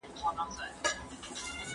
د کاري پلانونو سره سم عمل وکړئ.